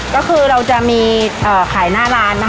ก็คือเราจะมีขายหน้าร้าน